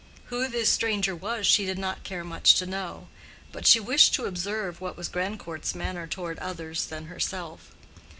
Who this stranger was she did not care much to know; but she wished to observe what was Grandcourt's manner toward others than herself.